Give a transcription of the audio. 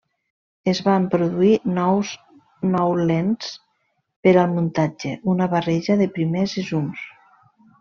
Es van produir nou lents per al muntatge, una barreja de primers i zooms.